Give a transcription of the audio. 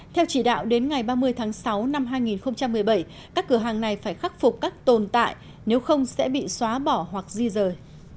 theo chỉ đạo đến ngày ba mươi tháng sáu năm hai nghìn một mươi bảy các cửa hàng này phải khắc phục các tồn tại nếu không sẽ bị xóa bỏ hoặc di rời